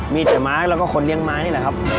มีแต่ไม้แล้วก็คนเลี้ยงไม้นี่แหละครับ